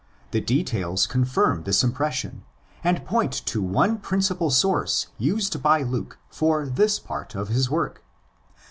The details confirm this impression, and point to one principal source used by Luke for this part of his work.